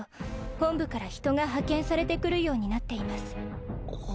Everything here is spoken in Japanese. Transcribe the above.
本部から人が派遣されてくるようになっています